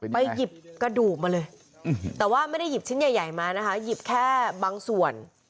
หยิบกระดูกมาเลยแต่ว่าไม่ได้หยิบชิ้นใหญ่มานะคะหยิบแค่บางส่วน